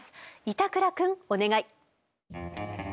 板倉くんお願い。